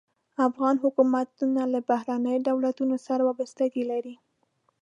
افغان حکومتونه له بهرنیو دولتونو سره وابستګي لري.